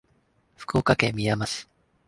福岡県みやま市